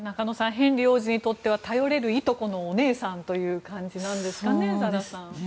ヘンリー王子にとっては頼れるいとこのお姉さんという感じなんですかね。